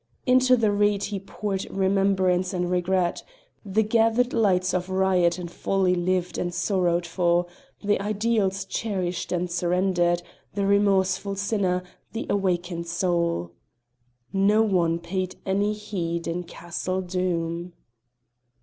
Into the reed he poured remembrance and regret; the gathered nights of riot and folly lived and sorrowed for; the ideals cherished and surrendered; the remorseful sinner, the awakened soul. No one paid any heed in Castle Doom.